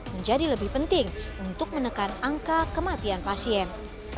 menjadi lebih penting untuk menekan angka kematian pasien